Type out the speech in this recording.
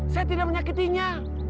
saya tidak menyakitinya